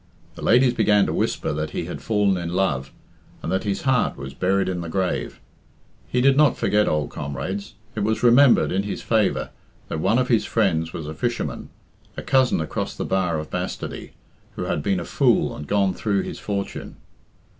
The ladies began to whisper that he had fallen in love, and that his heart was "buried in the grave." He did not forget old comrades. It was remembered, in his favour, that one of his friends was a fisherman, a cousin across the bar of bastardy, who had been a fool and gone through his fortune.